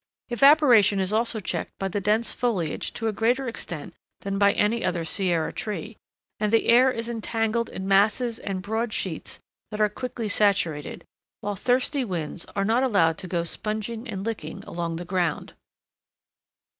Evaporation is also checked by the dense foliage to a greater extent than by any other Sierra tree, and the air is entangled in masses and broad sheets that are quickly saturated; while thirsty winds are not allowed to go sponging and licking along the ground.